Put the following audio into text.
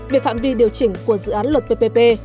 về phạm vi điều chỉnh của dự án luật ppp